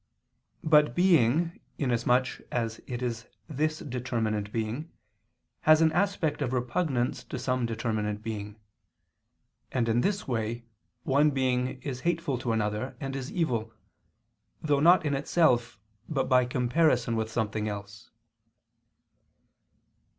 But being, inasmuch as it is this determinate being, has an aspect of repugnance to some determinate being. And in this way, one being is hateful to another, and is evil; though not in itself, but by comparison with something else.